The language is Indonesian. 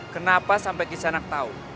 kenapa sampai kisanak tau